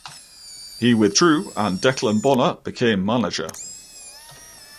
He withdrew and Declan Bonner became manager.